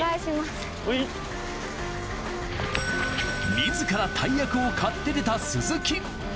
自ら大役を買って出た鈴木。